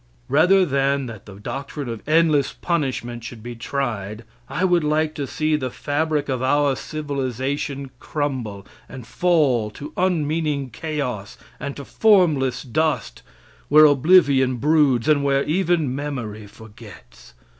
Rather than that the doctrine of endless punishment should be tried, I would like to see the fabric of our civilization crumble and fall to unmeaning chaos and to formless dust, where oblivion broods and where even memory forgets.